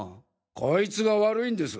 こいつが悪いんです。